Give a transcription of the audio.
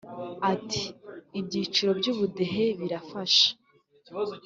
Ati “Ibyiciro by’ubudehe birafasha